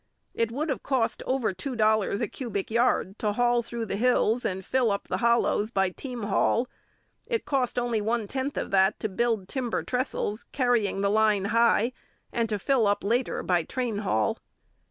It would have cost over two dollars a cubic yard to cut through the hills and fill up the hollows by team haul; it cost only one tenth of that to build timber trestles, carrying the line high, and to fill up later by train haul.